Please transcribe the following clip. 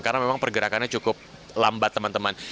karena memang pergerakannya cukup lambat teman teman